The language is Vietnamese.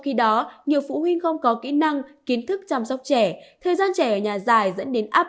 khi đó nhiều phụ huynh không có kỹ năng kiến thức chăm sóc trẻ thời gian trẻ ở nhà dài dẫn đến áp